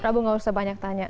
prabu gak usah banyak tanya